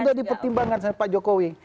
sudah dipertimbangkan pak jokowi